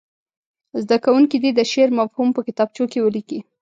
زده کوونکي دې د شعر مفهوم په کتابچو کې ولیکي.